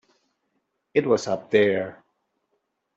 It was up there.